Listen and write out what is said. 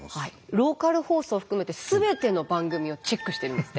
ローカル放送を含めてすべての番組をチェックしてるんですって。